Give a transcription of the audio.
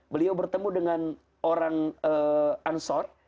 beliau bertemu dengan orang ansor